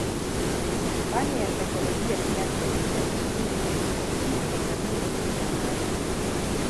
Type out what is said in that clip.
Fani ya saikolojia kiafya katika nchi nyingi iko chini ya kanuni za maadili.